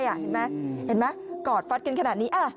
เห็นไหมกอดฟัดกันขนาดนี้